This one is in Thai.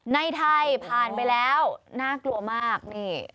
ในไทยผ่านไปแล้วน่ากลัวมากนี่